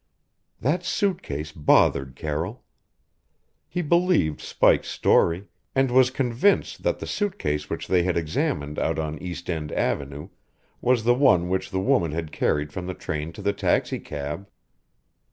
That suit case bothered Carroll. He believed Spike's story, and was convinced that the suit case which they had examined out on East End Avenue was the one which the woman had carried from the train to the taxicab.